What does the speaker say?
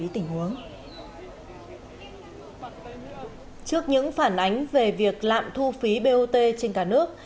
trước những phản ánh về việc lạm thu phí bot trên cả nước